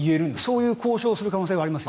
そういう交渉をする可能性はあります。